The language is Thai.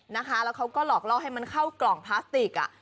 แล้วเขาก็หลอกล่อให้มันเข้ากล่องพลาสติก